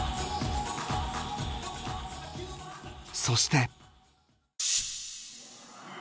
そして。